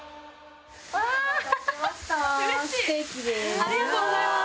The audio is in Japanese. ありがとうございます。